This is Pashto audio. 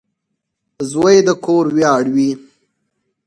• زوی د کور ویاړ وي.